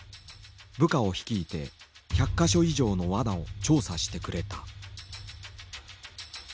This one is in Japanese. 部下を率いて１００か所以上のわなを調査してくれた。